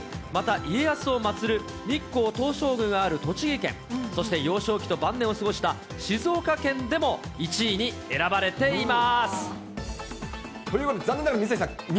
また家康を祭る日光東照宮がある栃木県、そして、幼少期と晩年を過ごした静岡県でも１位に選ばれています。